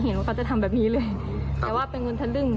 ว่าเขาจะทำแบบนี้เลยแต่ว่าเป็นเงินทะลึ่ง